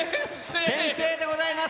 先生でございます。